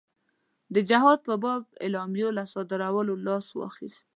د جهاد په باب اعلامیو له صادرولو لاس واخیست.